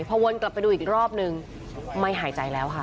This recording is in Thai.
พอวนกลับไปดูอีกรอบนึงไม่หายใจแล้วค่ะ